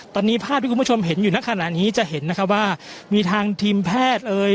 ตอนนี้ภาพที่คุณผู้ชมเห็นอยู่ในขณะนี้จะเห็นนะคะว่ามีทางทีมแพทย์เอ่ย